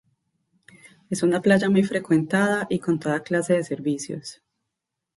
Es una playa muy frecuentada y con toda clase de servicios.